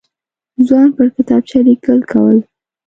ځوان پر کتابچه لیکل کول.